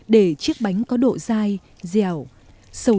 để chiếc bánh có độ dai dẻo sâu sát trong khu vực